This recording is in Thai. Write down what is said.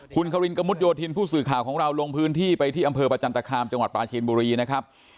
คุณคารินกระมุดโยธินผู้สื่อข่าวของเราลงพื้นที่ไปที่อำเภอประจันตคามจังหวัดปลาจีนบุรีนะครับ